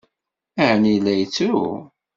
Ɛni la yettru?